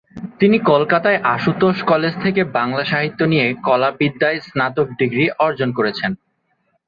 তিনি কলকাতার আশুতোষ কলেজ থেকে বাংলা সাহিত্য নিয়ে কলাবিদ্যায় স্নাতক ডিগ্রি অর্জন করেন।